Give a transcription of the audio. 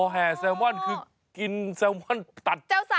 แหนแซลมอนคือกินแซลมอนตัดพาแซลมอน